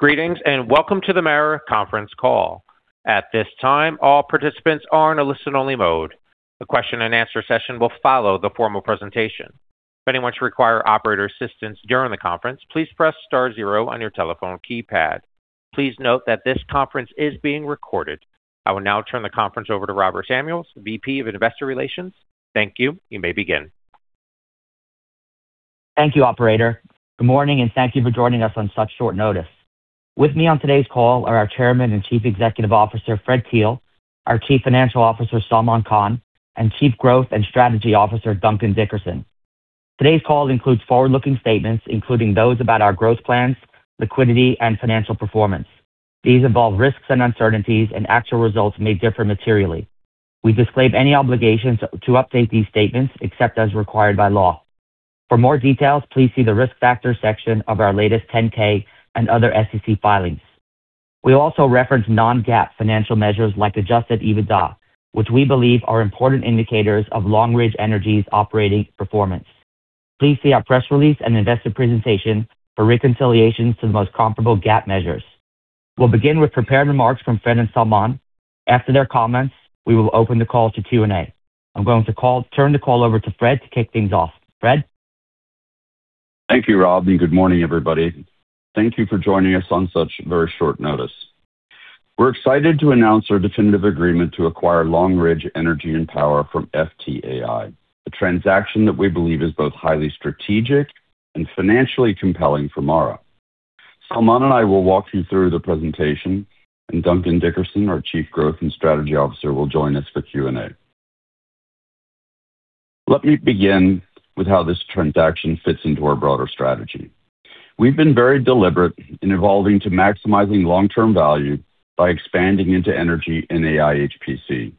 Greetings, welcome to the MARA conference call. At this time, all participants are in a listen-only mode. The question and answer session will follow the formal presentation. If anyone should require operator assistance during the conference, please press star zero on your telephone keypad. Please note that this conference is being recorded. I will now turn the conference over to Robert Samuels, VP of Investor Relations. Thank you. You may begin. Thank you, operator. Good morning, and thank you for joining us on such short notice. With me on today's call are our Chairman and Chief Executive Officer, Fred Thiel, our Chief Financial Officer, Salman Khan, and Chief Growth and Strategy Officer, Duncan Dickerson. Today's call includes forward-looking statements, including those about our growth plans, liquidity, and financial performance. These involve risks and uncertainties, and actual results may differ materially. We disclaim any obligations to update these statements except as required by law. For more details, please see the risk factor section of our latest Form 10-K and other SEC filings. We also reference non-GAAP financial measures like adjusted EBITDA, which we believe are important indicators of Long Ridge Energy's operating performance. Please see our press release and investor presentation for reconciliations to the most comparable GAAP measures. We'll begin with prepared remarks from Fred and Salman. After their comments, we will open the call to Q&A. I'm going to turn the call over to Fred to kick things off. Fred. Thank you, Rob, and good morning, everybody. Thank you for joining us on such very short notice. We're excited to announce our definitive agreement to acquire Long Ridge Energy & Power from FTAI, a transaction that we believe is both highly strategic and financially compelling for MARA. Salman and I will walk you through the presentation, and Duncan Dickerson, our Chief Growth and Strategy Officer, will join us for Q&A. Let me begin with how this transaction fits into our broader strategy. We've been very deliberate in evolving to maximizing long-term value by expanding into energy and AI/HPC.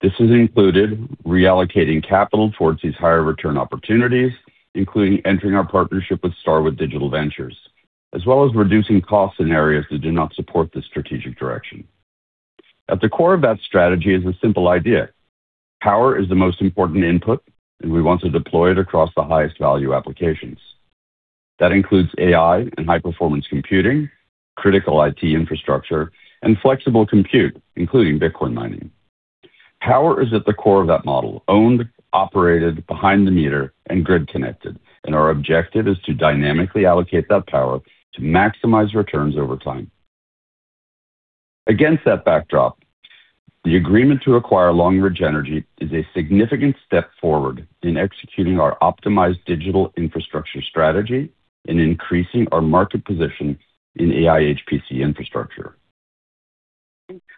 This has included reallocating capital towards these higher return opportunities, including entering our partnership with Starwood Digital Ventures, as well as reducing costs in areas that do not support the strategic direction. At the core of that strategy is a simple idea. Power is the most important input. We want to deploy it across the highest value applications. That includes AI and high-performance computing, Critical IT infrastructure, and flexible compute, including Bitcoin mining. Power is at the core of that model, owned, operated behind the meter, and grid connected. Our objective is to dynamically allocate that power to maximize returns over time. Against that backdrop, the agreement to acquire Long Ridge Energy is a significant step forward in executing our optimized digital infrastructure strategy and increasing our market position in AI/HPC infrastructure.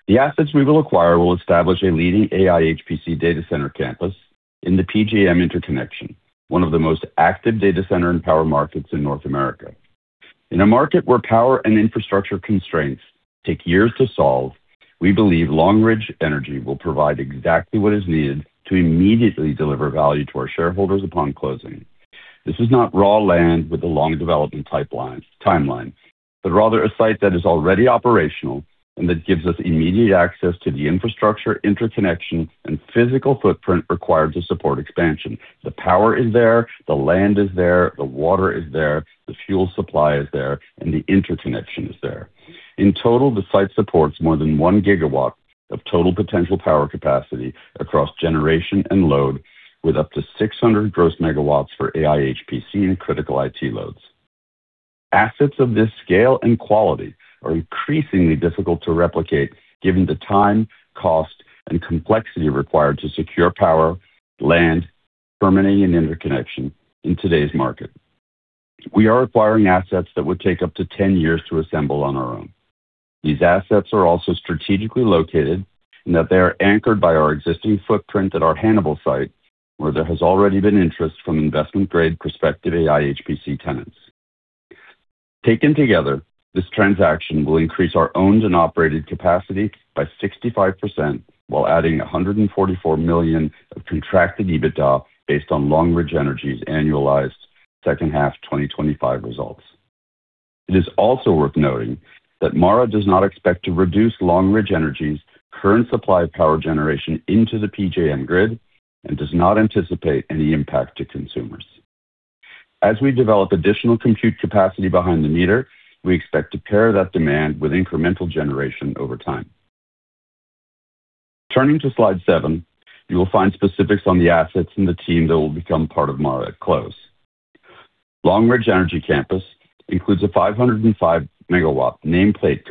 The assets we will acquire will establish a leading AI/HPC data center campus in the PJM Interconnection, one of the most active data center and power markets in North America. In a market where power and infrastructure constraints take years to solve, we believe Long Ridge Energy will provide exactly what is needed to immediately deliver value to our shareholders upon closing. This is not raw land with a long development timelines, but rather a site that is already operational and that gives us immediate access to the infrastructure, interconnection, and physical footprint required to support expansion. The power is there, the land is there, the water is there, the fuel supply is there, and the interconnection is there. In total, the site supports more than 1 GW of total potential power capacity across generation and load, with up to 600 gross megawatts for AI/HPC and Critical IT loads. Assets of this scale and quality are increasingly difficult to replicate given the time, cost, and complexity required to secure power, land, permitting, and interconnection in today's market. We are acquiring assets that would take up to 10 years to assemble on our own. These assets are also strategically located in that they are anchored by our existing footprint at our Hannibal site, where there has already been interest from investment-grade prospective AI/HPC tenants. Taken together, this transaction will increase our owned and operated capacity by 65% while adding $144 million of contracted EBITDA based on Long Ridge Energy's annualized second half 2025 results. It is also worth noting that MARA does not expect to reduce Long Ridge Energy's current supply of power generation into the PJM grid and does not anticipate any impact to consumers. As we develop additional compute capacity behind the meter, we expect to pair that demand with incremental generation over time. Turning to slide seven, you will find specifics on the assets and the team that will become part of MARA at close. Long Ridge Energy Campus includes a 505 MW nameplate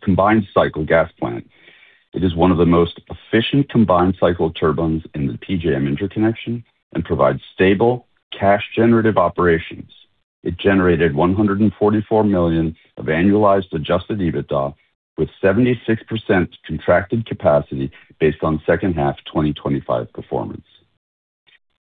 combined cycle gas plant. It is one of the most efficient combined cycle turbines in the PJM Interconnection and provides stable, cash-generative operations. It generated $144 million of annualized adjusted EBITDA, with 76% contracted capacity based on second half 2025 performance.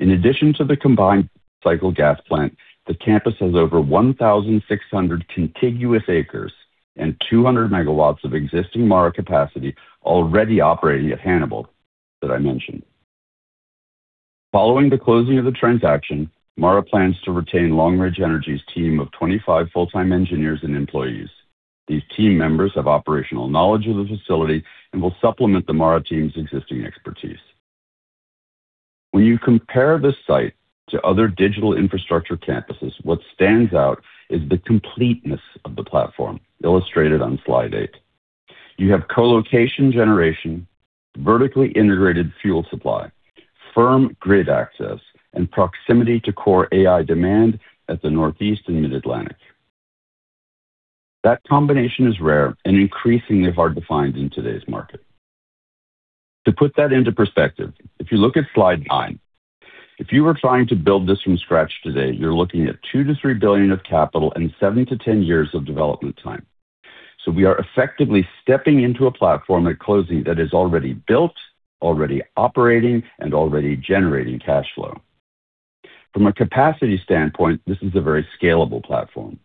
In addition to the combined cycle gas plant, the campus has over 1,600 contiguous acres and 200 MW of existing MARA capacity already operating at Hannibal that I mentioned. Following the closing of the transaction, MARA plans to retain Long Ridge Energy's team of 25 full-time engineers and employees. These team members have operational knowledge of the facility and will supplement the MARA team's existing expertise. When you compare this site to other digital infrastructure campuses, what stands out is the completeness of the platform illustrated on slide eight. You have co-location generation, vertically integrated fuel supply, firm grid access, and proximity to core AI demand at the Northeast and Mid-Atlantic. That combination is rare and increasingly hard to find in today's market. To put that into perspective, if you look at slide nine, if you were trying to build this from scratch today, you're looking at $2 billion-$3 billion of capital and seven-10 years of development time. We are effectively stepping into a platform at closing that is already built, already operating, and already generating cash flow. From a capacity standpoint, this is a very scalable platform.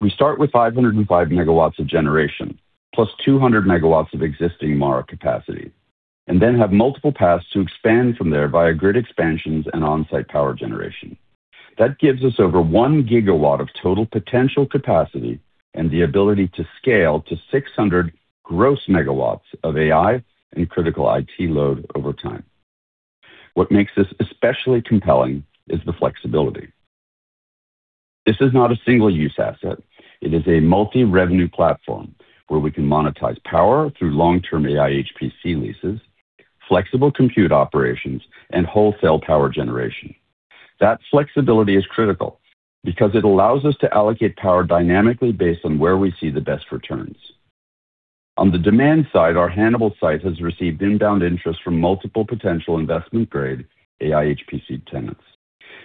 We start with 505 MW of generation, +200 MW of existing MARA capacity, have multiple paths to expand from there via grid expansions and on-site power generation. That gives us over 1 GW of total potential capacity and the ability to scale to 600 gross megawatts of AI and Critical IT load over time. What makes this especially compelling is the flexibility. This is not a single-use asset. It is a multi-revenue platform where we can monetize power through long-term AI/HPC leases, flexible compute operations, and wholesale power generation. That flexibility is critical because it allows us to allocate power dynamically based on where we see the best returns. On the demand side, our Hannibal site has received inbound interest from multiple potential investment-grade AI/HPC tenants.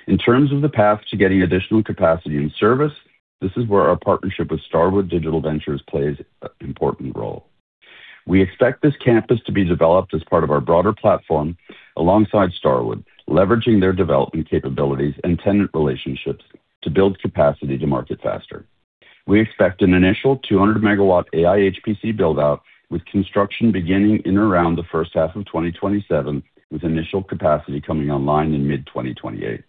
In terms of the path to getting additional capacity in service, this is where our partnership with Starwood Digital Ventures plays an important role. We expect this campus to be developed as part of our broader platform alongside Starwood, leveraging their development capabilities and tenant relationships to build capacity to market faster. We expect an initial 200 MW AI/HPC build-out with construction beginning in around the first half of 2027, with initial capacity coming online in mid-2028.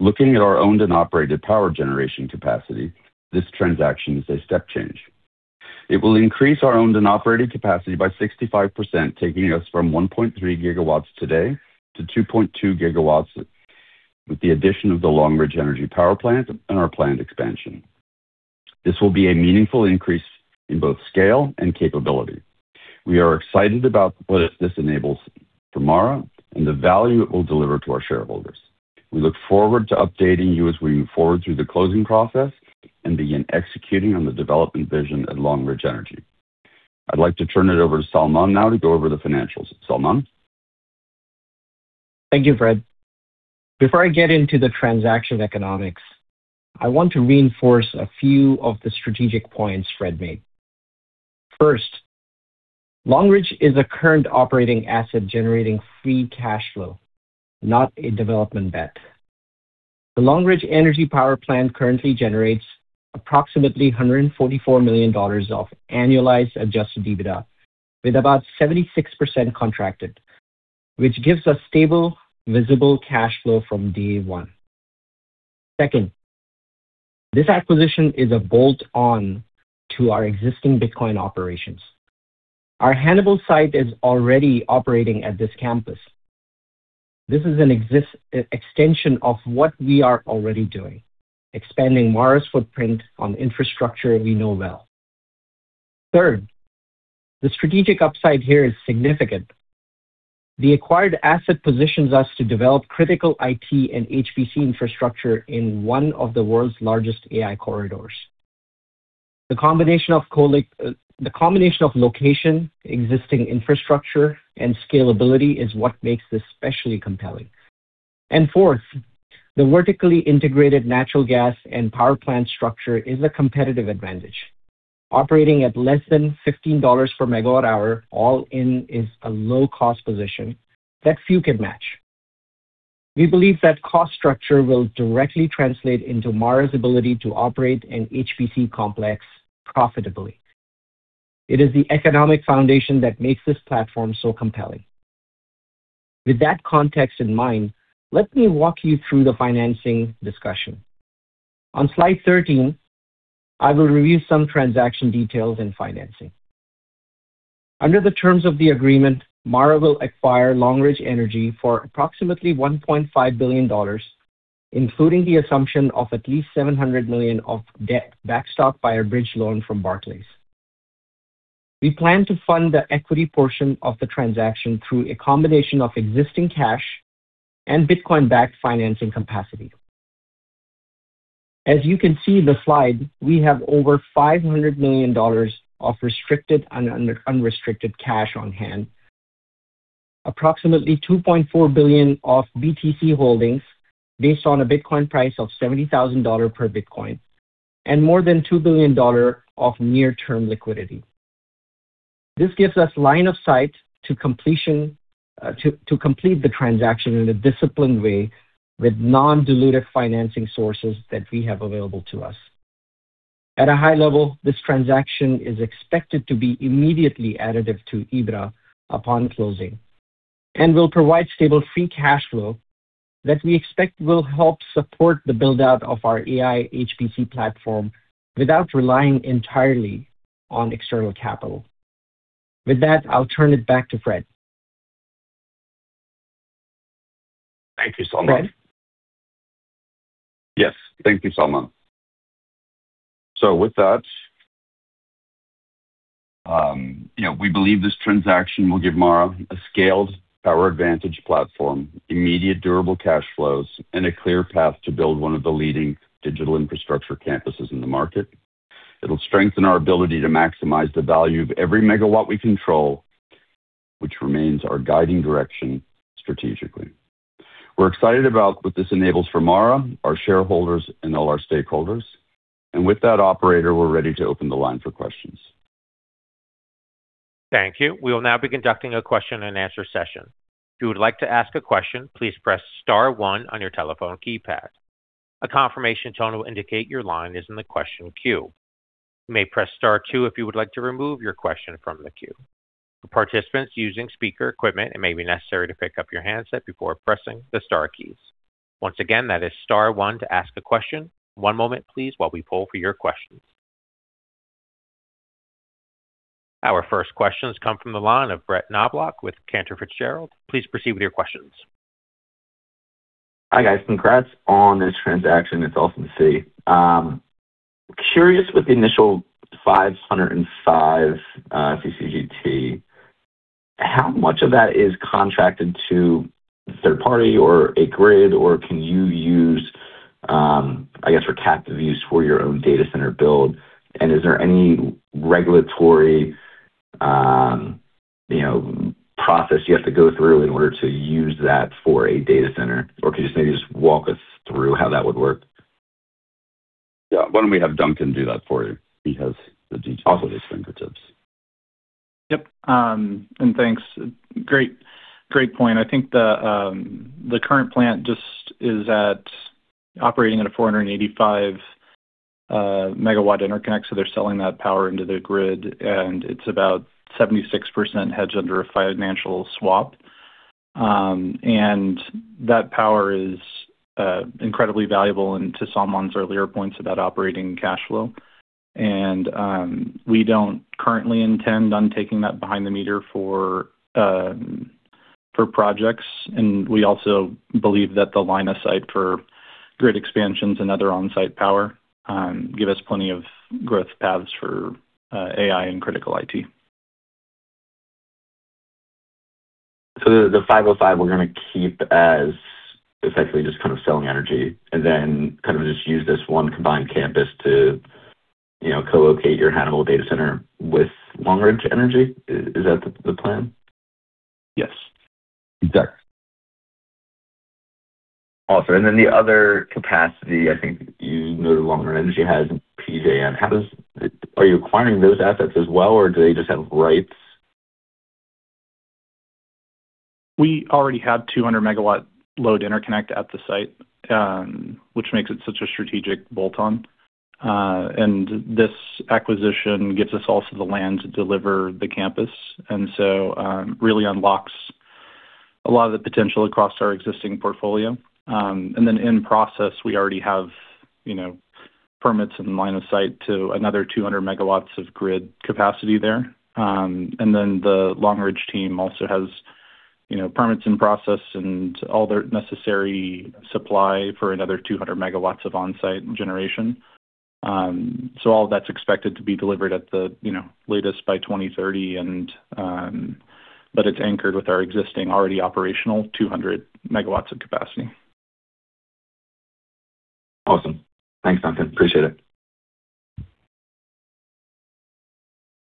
Looking at our owned and operated power generation capacity, this transaction is a step change. It will increase our owned and operated capacity by 65%, taking us from 1.3 GW today to 2.2 GW with the addition of the Long Ridge Energy Power Plant and our planned expansion. This will be a meaningful increase in both scale and capability. We are excited about what this enables for MARA and the value it will deliver to our shareholders. We look forward to updating you as we move forward through the closing process and begin executing on the development vision at Long Ridge Energy. I'd like to turn it over to Salman now to go over the financials. Salman. Thank you, Fred. Before I get into the transaction economics, I want to reinforce a few of the strategic points Fred made. First, Long Ridge is a current operating asset generating free cash flow, not a development bet. The Long Ridge Energy Power Plant currently generates approximately $144 million of annualized adjusted EBITDA, with about 76% contracted, which gives us stable, visible cash flow from day one. Second, this acquisition is a bolt-on to our existing Bitcoin operations. Our Hannibal site is already operating at this campus. This is an extension of what we are already doing, expanding MARA's footprint on infrastructure we know well. Third, the strategic upside here is significant. The acquired asset positions us to develop Critical IT and AI/HPC infrastructure in one of the world's largest AI corridors. The combination of location, existing infrastructure, and scalability is what makes this especially compelling. Fourth, the vertically integrated natural gas and power plant structure is a competitive advantage. Operating at less than $15/MWh all in is a low-cost position that few can match. We believe that cost structure will directly translate into MARA's ability to operate an HPC complex profitably. It is the economic foundation that makes this platform so compelling. With that context in mind, let me walk you through the financing discussion. On slide 13, I will review some transaction details and financing. Under the terms of the agreement, MARA will acquire Long Ridge Energy for approximately $1.5 billion, including the assumption of at least $700 million of debt backstopped by a bridge loan from Barclays. We plan to fund the equity portion of the transaction through a combination of existing cash and Bitcoin-backed financing capacity. As you can see in the slide, we have over $500 million of restricted and unrestricted cash on hand, approximately $2.4 billion of BTC holdings based on a Bitcoin price of $70,000 per Bitcoin, and more than $2 billion of near-term liquidity. This gives us line of sight to completion to complete the transaction in a disciplined way with non-dilutive financing sources that we have available to us. At a high level, this transaction is expected to be immediately additive to EBITDA upon closing and will provide stable free cash flow that we expect will help support the build out of our AI/HPC platform without relying entirely on external capital. With that, I'll turn it back to Fred. Thank you, Salman. Fred. Yes. Thank you, Salman. With that, you know, we believe this transaction will give MARA a scaled power advantage platform, immediate durable cash flows, and a clear path to build one of the leading digital infrastructure campuses in the market. It'll strengthen our ability to maximize the value of every megawatt we control, which remains our guiding direction strategically. We're excited about what this enables for MARA, our shareholders, and all our stakeholders. With that, operator, we're ready to open the line for questions. Thank you. We will now be conducting a question and answer session. If you would like to ask a question, please press star one on your telephone keypad. A confirmation tone will indicate your line is in the question queue. You may press star two if you would like to remove your question from the queue. For participants using speaker equipment, it may be necessary to pick up your handset before pressing the star keys. Once again, that is star one to ask a question. One moment, please, while we poll for your questions. Our first questions come from the line of Brett Knoblauch with Cantor Fitzgerald. Please proceed with your questions. Hi, guys. Congrats on this transaction. It's awesome to see. Curious with the initial 505 CCGT, how much of that is contracted to third party or a grid, or can you use, I guess, for captive use for your own data center build? Is there any regulatory, you know, process you have to go through in order to use that for a data center? Or could you maybe just walk us through how that would work? Yeah. Why don't we have Duncan do that for you because the details are- Awesome at his fingertips. Yep, thanks. Great point. I think the current plant just is at operating at a 485 MW interconnect, so they're selling that power into the grid, and it's about 76% hedged under a financial swap. That power is incredibly valuable and to Salman's earlier points about operating cash flow. We don't currently intend on taking that behind the meter for projects. We also believe that the line of sight for grid expansions and other onsite power give us plenty of growth paths for AI and Critical IT. The 505 we're gonna keep as essentially just kind of selling energy and then kind of just use this one combined campus to, you know, co-locate your Hannibal data center with Long Ridge Energy. Is that the plan? Yes. Exactly. Awesome. The other capacity, I think you noted Long Ridge Energy has PJM. Are you acquiring those assets as well, or do they just have rights? We already have 200 MW load interconnect at the site, which makes it such a strategic bolt-on. This acquisition gets us also the land to deliver the campus. Really unlocks a lot of the potential across our existing portfolio. In process, we already have, you know, permits and line of sight to another 200 MW of grid capacity there. The Long Ridge team also has, you know, permits in process and all the necessary supply for another 200 MW of onsite generation. All that's expected to be delivered at the, you know, latest by 2030 and, but it's anchored with our existing already operational 200 MW of capacity. Awesome. Thanks, Duncan. Appreciate it.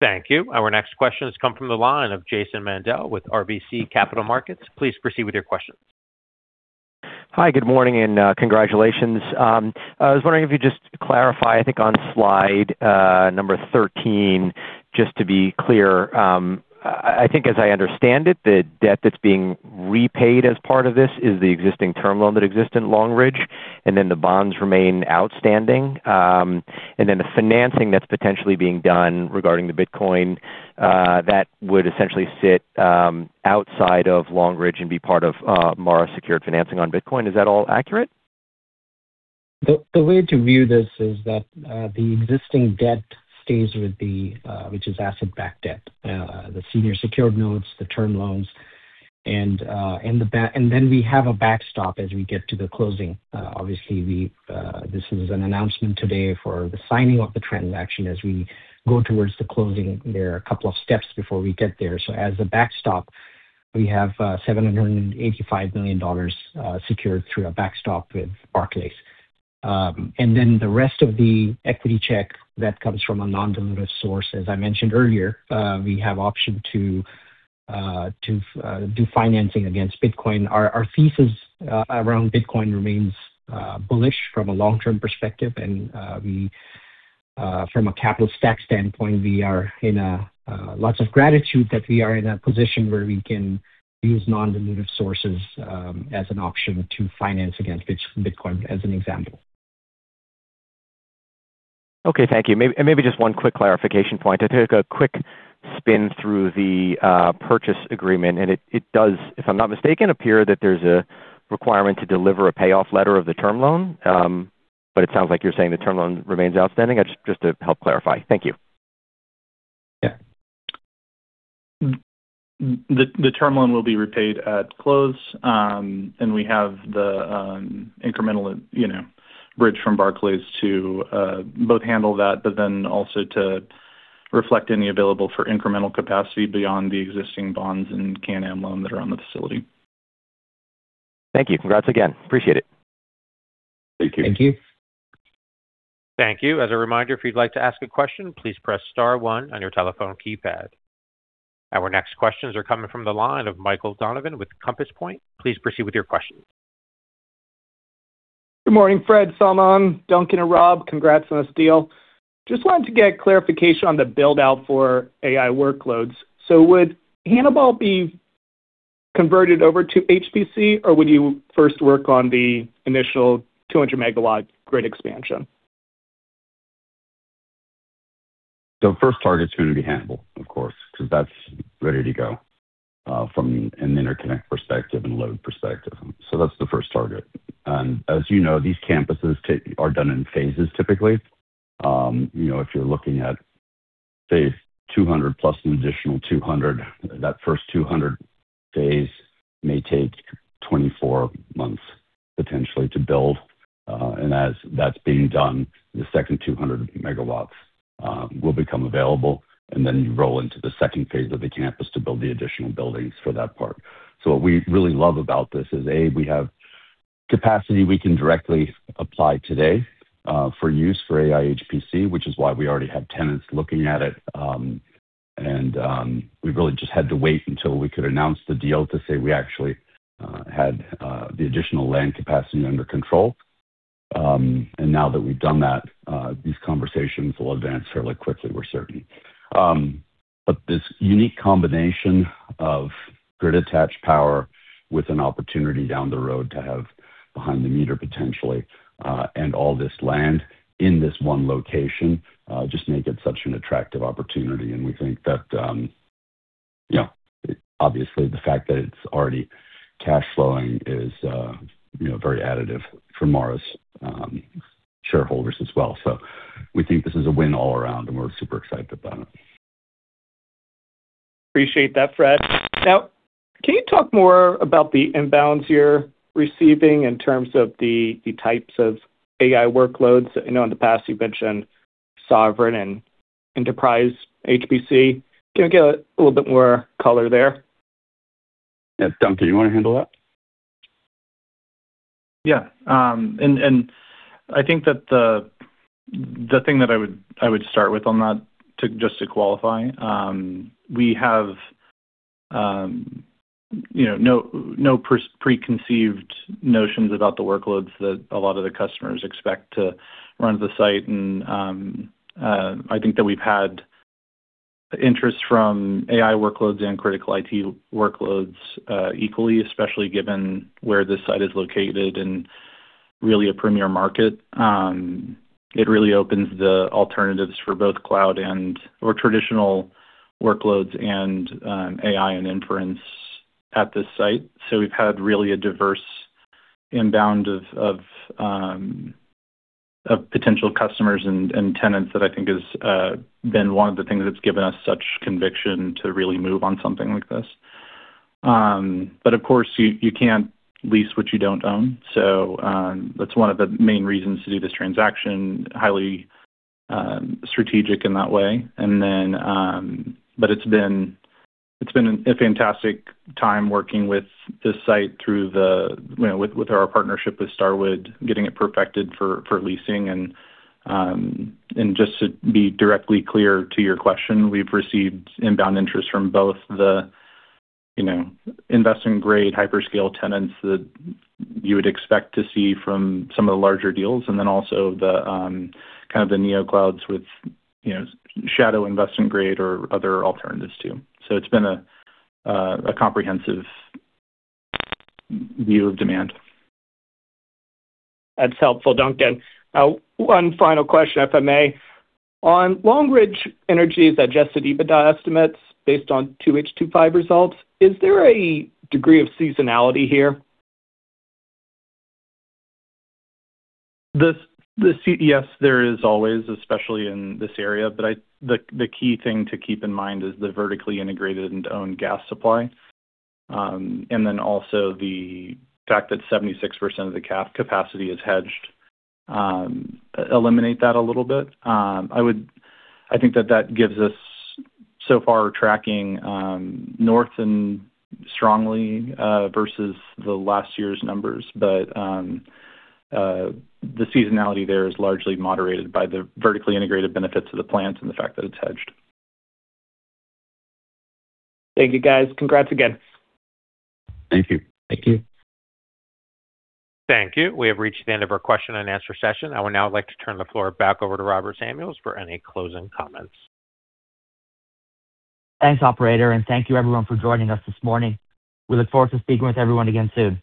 Thank you. Our next question has come from the line of Jason Mandel with RBC Capital Markets. Please proceed with your question. Hi! Good morning and congratulations. I was wondering if you just clarify, I think on slide number 13, just to be clear. I think as I understand it, the debt that's being repaid as part of this is the existing term loan that exist in Long Ridge and then the bonds remain outstanding. And then the financing that's potentially being done regarding the Bitcoin that would essentially sit outside of Long Ridge and be part of MARA's secure financing on Bitcoin. Is that all accurate? The way to view this is that the existing debt stays with the, which is asset-backed debt, the senior secured notes, the term loans, and the back. Then we have a backstop as we get to the closing. Obviously, we, this is an announcement today for the signing of the transaction. As we go towards the closing, there are a couple of steps before we get there. As a backstop, we have $785 million secured through a backstop with Barclays. Then the rest of the equity check that comes from a non-dilutive source, as I mentioned earlier, we have option to do financing against Bitcoin. Our thesis around Bitcoin remains bullish from a long-term perspective. From a capital stack standpoint, we are in a lots of gratitude that we are in a position where we can use non-dilutive sources as an option to finance against Bitcoin as an example. Okay, thank you. Maybe just one quick clarification point. I took a quick spin through the purchase agreement, and it does, if I'm not mistaken, appear that there's a requirement to deliver a payoff letter of the term loan. It sounds like you're saying the term loan remains outstanding. I just to help clarify. Thank you. Yeah. The term loan will be repaid at close. We have the incremental, you know, bridge from Barclays to both handle that, also to reflect any available for incremental capacity beyond the existing bonds and Canaan loan that are on the facility. Thank you. Congrats again. Appreciate it. Thank you. Thank you. Thank you. As a reminder, if you'd like to ask a question, please press star one on your telephone keypad. Our next questions are coming from the line of Michael Donovan with Compass Point. Please proceed with your question. Good morning, Fred, Salman, Duncan, and Rob. Congrats on this deal. Just wanted to get clarification on the build-out for AI workloads. Would Hannibal be converted over to HPC, or would you first work on the initial 200 MW grid expansion? The first target's gonna be Hannibal, of course, 'cause that's ready to go from an interconnect perspective and load perspective. That's the first target. As you know, these campuses are done in phases, typically. You know, if you're looking at say 200+ an additional 200, that first 200 days may take 24 months potentially to build. As that's being done, the second 200 MW will become available, and then you roll into the second phase of the campus to build the additional buildings for that part. What we really love about this is, A, we have capacity we can directly apply today for use for AI/HPC, which is why we already have tenants looking at it. We really just had to wait until we could announce the deal to say we actually had the additional land capacity under control. Now that we've done that, these conversations will advance fairly quickly, we're certain. This unique combination of grid-attached power with an opportunity down the road to have behind the meter potentially, and all this land in this one location, just make it such an attractive opportunity. We think that, you know, obviously, the fact that it's already cash flowing is, you know, very additive for MARA's shareholders as well. We think this is a win all around, and we're super excited about it. Appreciate that, Fred. Can you talk more about the inbounds you're receiving in terms of the types of AI workloads? I know in the past you've mentioned sovereign and enterprise HPC. Can we get a little bit more color there? Yeah. Duncan, you wanna handle that? Yeah. I think that the thing that I would start with on that just to qualify, we have, you know, no preconceived notions about the workloads that a lot of the customers expect to run the site. I think that we've had interest from AI workloads and Critical IT workloads equally, especially given where this site is located and really a premier market. It really opens the alternatives for both cloud or traditional workloads and AI and inference at this site. We've had really a diverse inbound of potential customers and tenants that I think has been one of the things that's given us such conviction to really move on something like this. Of course, you can't lease what you don't own. That's one of the main reasons to do this transaction, highly strategic in that way. It's been a fantastic time working with this site through the, you know, with our partnership with Starwood, getting it perfected for leasing. Just to be directly clear to your question, we've received inbound interest from both the, you know, investment-grade hyperscale tenants that you would expect to see from some of the larger deals, and then also the kind of the neo clouds with, you know, shadow investment grade or other alternatives too. It's been a comprehensive view of demand. That's helpful, Duncan. One final question, if I may. On Long Ridge Energy's adjusted EBITDA estimates based on 2H 2025 results, is there a degree of seasonality here? Yes, there is always, especially in this area. The key thing to keep in mind is the vertically integrated and owned gas supply. Also the fact that 76% of the capacity is hedged, eliminate that a little bit. I think that that gives us so far tracking north and strongly versus the last year's numbers. The seasonality there is largely moderated by the vertically integrated benefits of the plant and the fact that it's hedged. Thank you, guys. Congrats again. Thank you. Thank you. Thank you. We have reached the end of our question and answer session. I would now like to turn the floor back over to Robert Samuels for any closing comments. Thanks, operator. Thank you everyone for joining us this morning. We look forward to speaking with everyone again soon.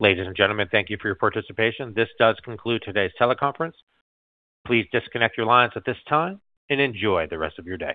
Ladies and gentlemen, thank you for your participation. This does conclude today's teleconference. Please disconnect your lines at this time and enjoy the rest of your day.